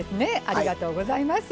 ありがとうございます。